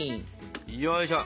よいしょ。